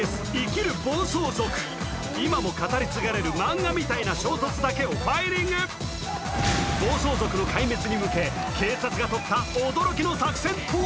今も語り継がれるをファイリング暴走族の壊滅に向け警察がとった驚きの作戦とは